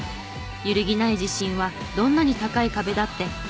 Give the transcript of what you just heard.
揺るぎない自信はどんなに高い壁だって越えさせるはず！